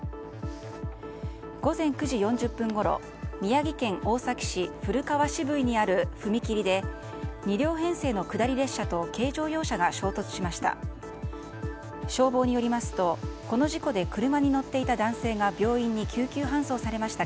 午前９時４０分ごろ宮城県大崎市古川渋井にある踏切で２両編成の下り列車と軽乗用車が衝突しました。